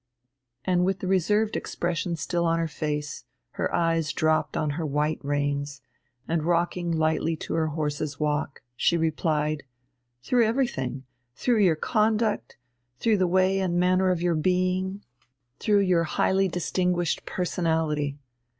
And, with the reserved expression still on her face, her eyes dropped on her white reins, and rocking lightly to her horse's walk, she replied: "Through everything, through your conduct, through the way and manner of your being, through your highly distinguished personality.